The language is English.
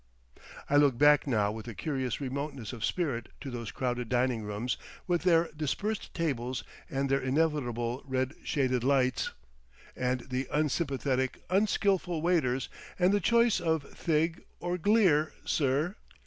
I look back now with a curious remoteness of spirit to those crowded dining rooms with their dispersed tables and their inevitable red shaded lights and the unsympathetic, unskillful waiters, and the choice of "Thig or Glear, Sir?"